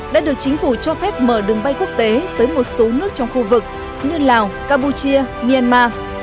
đã được chính phủ cho phép mở đường bay quốc tế tới một số nước trong khu vực như lào campuchia myanmar